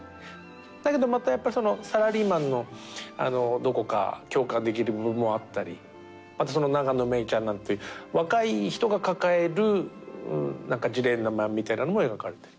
だけどまたやっぱりサラリーマンのどこか共感できる部分もあったりまた永野芽郁ちゃんなんていう若い人が抱えるジレンマみたいなのも描かれて。